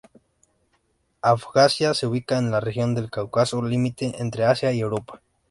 Abjasia se ubica en la región del Cáucaso, límite entre Asia y Europa.